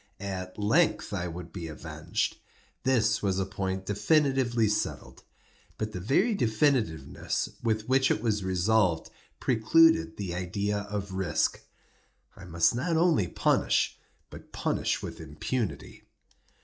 At length I would be avenged; this was a point definitively settled—but the very definitiveness with which it was resolved, precluded the idea of risk. I must not only punish, but punish with impunity.